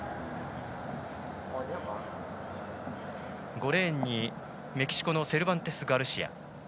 ５レーンにメキシコのセルバンテスガルシア。